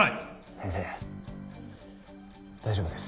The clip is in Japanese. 先生大丈夫です。